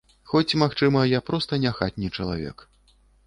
Хоць, магчыма, я проста не хатні чалавек.